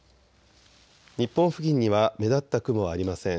日本付近には目立った雲はありません。